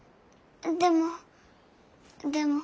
でもでも。